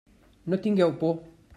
No tingueu por.